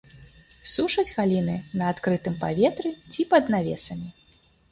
Сушаць галіны на адкрытым паветры ці пад навесамі.